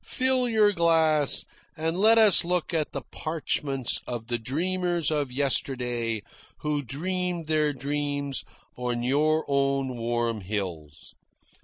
Fill your glass and let us look at the parchments of the dreamers of yesterday who dreamed their dreams on your own warm hills."